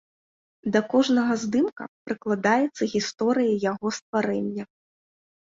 Да кожнага здымка прыкладаецца гісторыя яго стварэння.